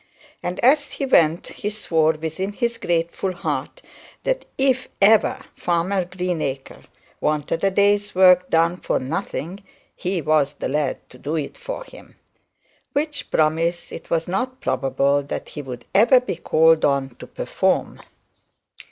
And as he went he swore within his grateful heart, that if ever Farmer Greenacre wanted a day's work done for nothing, he was the lad to do it for him. Which promise it was not probable that he would ever be called upon to perform.